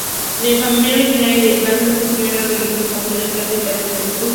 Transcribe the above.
De familia originaria de Irlanda, se crio en la religión católica cerca de Liverpool.